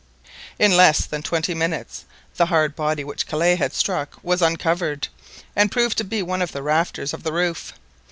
In less than twenty minutes the hard body which Kellet had struck was uncovered, and proved to be one of the rafters of the roof.